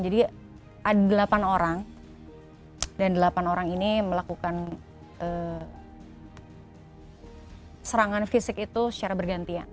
jadi ada delapan orang dan delapan orang ini melakukan serangan fisik itu secara bergantian